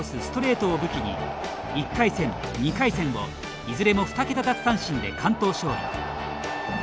ストレートを武器に１回戦、２回戦をいずれも２桁奪三振で完投勝利。